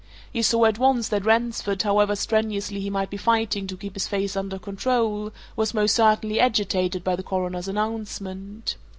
He saw at once that Ransford, however strenuously he might be fighting to keep his face under control, was most certainly agitated by the Coroner's announcement.